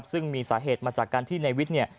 ซึ่งมีสาเหตุมาจากการที่ในวิทย์เนี่ย